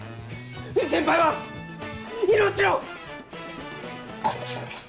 藤先輩は命の恩人です！